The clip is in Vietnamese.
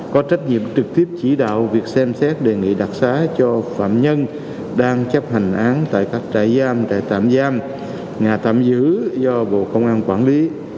có trách nhiệm trực tiếp chỉ đạo việc xem xét đề nghị đặc xá cho phạm nhân đang chấp hành án tại các trại giam trại tạm giam nhà tạm giữ do bộ công an quản lý